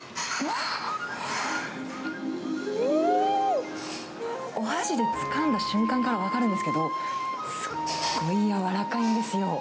となれば、尾花さんも早速、わー、うーん。お箸でつかんだ瞬間から分かるんですけど、すっごいやわらかいんですよ。